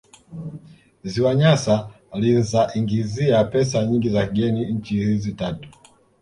Ziwa Nyasa linzaiingizia pesa nyingi za kigeni nchi hizi tatu